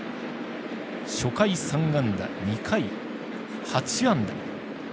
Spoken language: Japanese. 初回３安打、２回８安打。